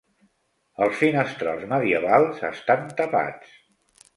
Els finestrals medievals estan tapats.